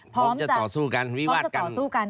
พร้อมจะต่อสู้กันวิวาดกันสู้กัน